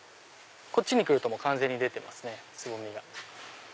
こっちに来ると完全に出てますねつぼみが。